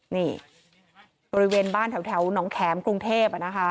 นี่บริเวณบ้านแถวน้องแขมกรุงเทพฯนะคะ